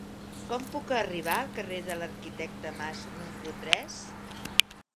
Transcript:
Com puc arribar al carrer de l'Arquitecte Mas número tres?